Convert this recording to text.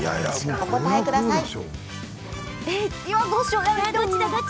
お答えください！